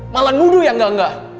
malah nuduh ya enggak enggak